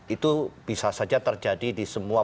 itu bisa saja terjadi di semua